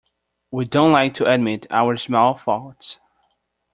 We don't like to admit our small faults.